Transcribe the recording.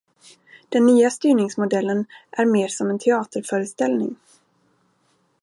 Den nya styrningsmodellen är mer som en teaterföreställning.